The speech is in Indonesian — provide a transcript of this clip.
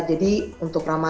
jadi untuk ramadhan